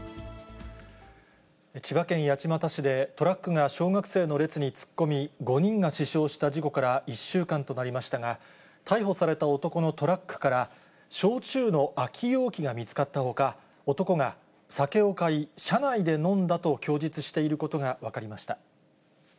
千葉県八街市でトラックが小学生の列に突っ込み、５人が死傷した事故から１週間となりましたが、逮捕された男のトラックから、焼酎の空き容器が見つかったほか、男が酒を買い、車内で飲んだと供述していることが分かりました。